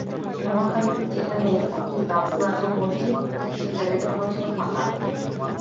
মহাখালীতে যেখানে এখন গাওছুল আজম মসজিদ, সেই জায়গাটি তখন ছিল ফাঁকা।